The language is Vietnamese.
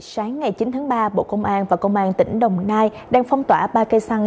sáng ngày chín tháng ba bộ công an và công an tỉnh đồng nai đang phong tỏa ba cây xăng